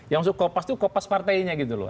yang suka kopas itu kopas partainya gitu loh